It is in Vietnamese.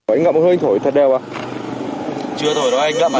anh ngậm hơi anh thổi thật đều không